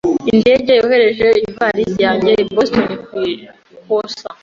Indege yohereje ivalisi yanjye i Boston ku ikosa.